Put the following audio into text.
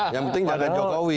yang penting jangan jokowi